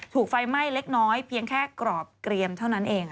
ถูกไฟไหม้เล็กน้อยเพียงแค่กรอบเกรียมเท่านั้นเอง